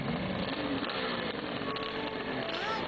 なあに？